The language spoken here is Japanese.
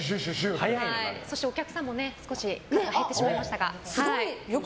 お客さんも少し減ってしまいましたが。